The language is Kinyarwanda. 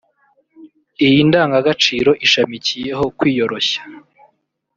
Iyi ndangagaciro ishamikiyeho kwiyoroshya